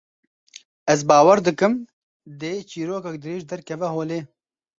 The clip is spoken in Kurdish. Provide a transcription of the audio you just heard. Ez bawer dikim, dê çîrokek dirêj derkeve holê